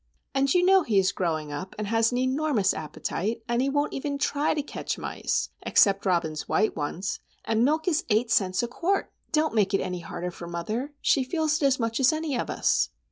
"And you know he is growing up, and has an enormous appetite; and he won't even try to catch mice,—except Robin's white ones,—and milk is eight cents a quart! Don't make it any harder for mother. She feels it as much as any of us."